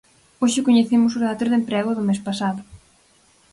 Hoxe coñecemos os datos de emprego do mes pasado.